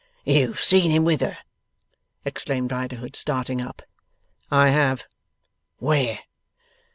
'You've seen him with her!' exclaimed Riderhood, starting up. 'I have.' 'Where?